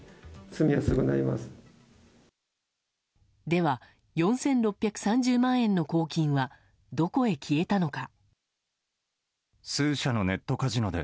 では、４６３０万円の公金はどこへ消えたのか。